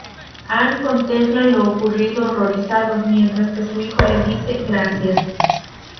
Han contempla lo ocurrido horrorizado, mientras que su hijo le dice "Gracias".